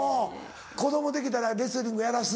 子供できたらレスリングやらす？